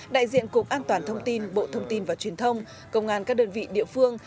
đại diện cục an toàn thông tin bộ thông tin và truyền thông công an các đơn vị địa phương